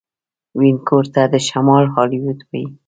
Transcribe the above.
وینکوور ته د شمال هالیوډ وايي.